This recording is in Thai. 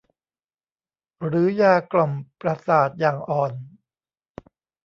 หรือยากล่อมประสาทอย่างอ่อน